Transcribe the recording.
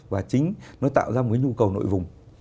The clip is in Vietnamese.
và chính nó tạo ra một cái nhu cầu nội vùng